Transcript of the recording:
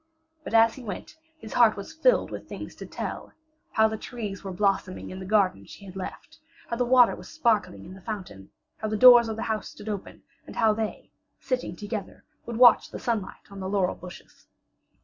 But as he went, his heart was filled with things to tell how the trees were blossoming in the garden she had left; how the water was sparkling in the fountain; how the doors of the house stood open, and how they, sitting together, would watch the sunlight on the laurel bushes.